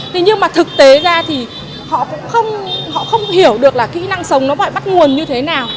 thế nhưng mà thực tế ra thì họ cũng họ không hiểu được là kỹ năng sống nó phải bắt nguồn như thế nào